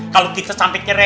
kalau kita sampai kere